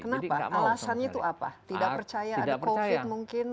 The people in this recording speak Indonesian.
kenapa alasannya itu apa tidak percaya ada covid mungkin